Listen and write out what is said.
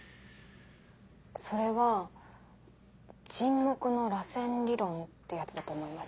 それは「沈黙の螺旋理論」ってやつだと思います。